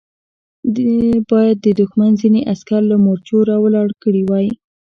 ده بايد د دښمن ځينې عسکر له مورچو را ولاړ کړي وای.